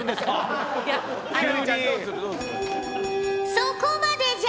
そこまでじゃ。